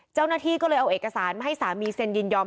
เจ้าหน้าที่ก็เลยเอาเอกสารมาให้สามีเซ็นยินยอม